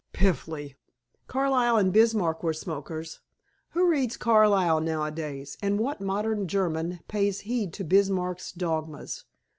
"Piffle! Carlyle and Bismarck were smokers." "Who reads Carlyle now a days? And what modern German pays heed to Bismarck's dogmas?